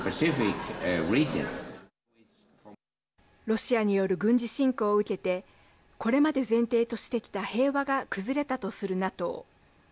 ロシアによる軍事侵攻を受けてこれまで前提としてきた平和が崩れたとするＮＡＴＯ。